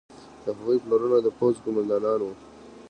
د هغوی پلرونه د پوځ قوماندانان وو.